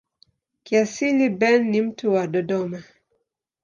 Kiasili Ben ni mtu wa Dodoma.